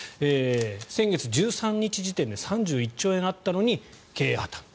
先月１３日時点で３１兆円あったのに経営破たん。